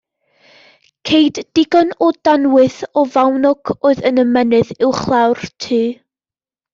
Ceid digon o danwydd o fawnog oedd yn y mynydd uwchlaw'r tŷ